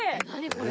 これ。